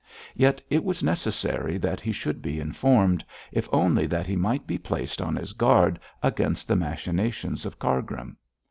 Yet it was necessary that he should be informed, if only that he might be placed on his guard against the machinations of Cargrim.